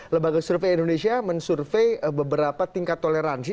lembaga survei indonesia mensurvey beberapa tingkat toleransi